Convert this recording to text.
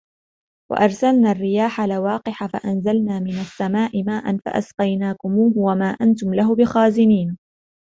وأرسلنا الرياح لواقح فأنزلنا من السماء ماء فأسقيناكموه وما أنتم له بخازنين